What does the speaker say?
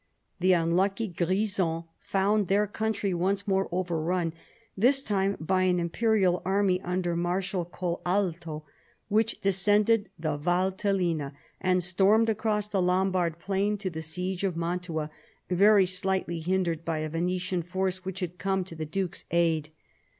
The unlucky Grisons found their country once more overrun, this time by an imperial army under Marshal Colalto, which descended the Val Tellina and stormed across the Lombard plain to the siege of Mantua, very slightly hindered by a Venetian force which had come to the Duke's aid.